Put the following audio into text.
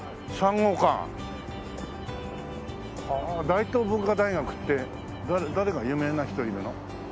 大東文化大学って誰が有名な人いるの？